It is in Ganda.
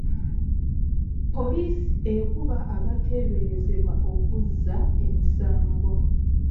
Poliisi ekuba abateeberezebwa okuzza emisango.